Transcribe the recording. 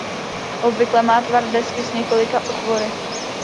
Obvykle má tvar desky s několika otvory.